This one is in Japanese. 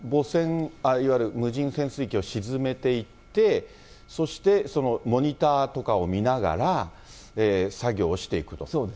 じゃあここで母船、いわゆる無人潜水機を沈めていって、そしてモニターとかを見ながら、作業をしていくと。